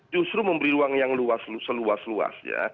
justru memberi ruang yang seluas luas ya